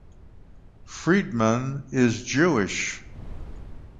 Friedman is Jewish.